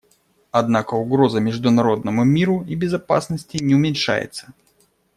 Однако угроза международному миру и безопасности не уменьшается.